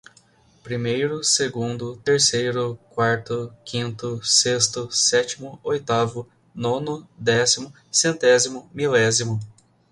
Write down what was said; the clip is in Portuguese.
primeiro, segundo, terceiro, quarto, quinto, sexto, sétimo, oitavo, nono, décimo, centésimo, milésimo.